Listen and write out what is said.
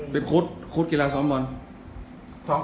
เป็นโค้ดกีฬาซอฟต์บอนต์